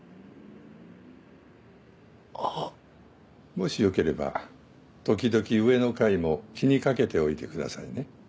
もしよければ時々上の階も気に掛けておいてくださいね。